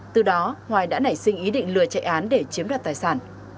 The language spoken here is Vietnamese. từ đó hoài đã nảy sinh ý định lừa chạy án để chiếm đoạt tài sản